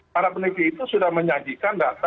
para peneliti itu sudah menyajikan data